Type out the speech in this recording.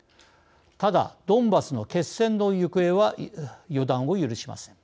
ただ、ドンバスの決戦の行方は予断を許しません。